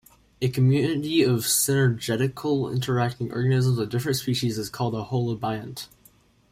A community of synergetically interacting organisms of different species is called a holobiont.